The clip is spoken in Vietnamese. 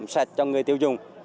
set cho người tiêu dùng